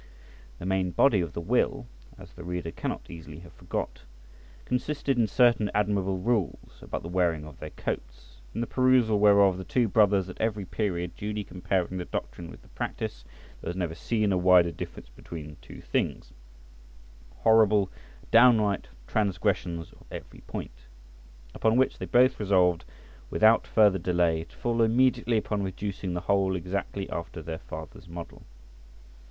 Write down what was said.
The main body of the will (as the reader cannot easily have forgot) consisted in certain admirable rules, about the wearing of their coats, in the perusal whereof the two brothers at every period duly comparing the doctrine with the practice, there was never seen a wider difference between two things, horrible downright transgressions of every point. Upon which they both resolved without further delay to fall immediately upon reducing the whole exactly after their father's model.